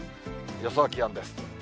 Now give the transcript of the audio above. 予想気温です。